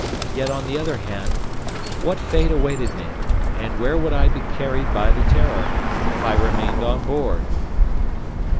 Yet, on the other hand, what fate awaited me, and where would I be carried by the "Terror," if I remained on board?